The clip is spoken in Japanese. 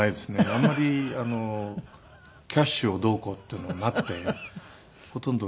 あんまりキャッシュをどうこうっていうのがなくてほとんど。